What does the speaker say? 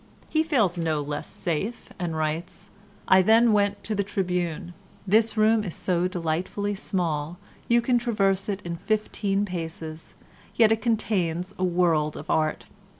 He feels no less safe and writes, "I then went to the Tribune. This room is so delightfully small you can traverse it in fifteen paces, yet it contains a world of art.